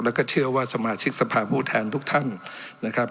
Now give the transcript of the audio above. แล้วก็เชื่อว่าสมาชิกสภาพผู้แทนทุกท่านนะครับ